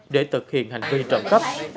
để thực hiện hành vi trộm cấp